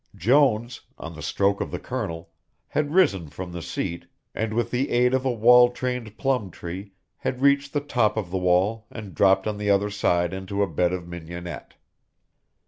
Jones, on the stroke of the Colonel, had risen from the seat, and with the aid of a wall trained plum tree, had reached the top of the wall and dropped on the other side into a bed of mignonette.